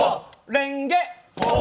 れんげ！